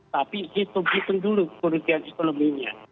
tapi hitung hitung dulu kerugian ekonominya